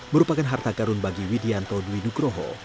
merupakan harta karun bagi widianto dwi nugroho